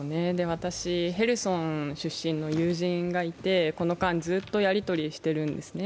私、ヘルソン出身の友人がいて、この間ずっとやり取りしてるんですね。